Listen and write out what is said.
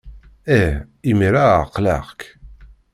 Ih, imir-a ɛeqleɣ-k!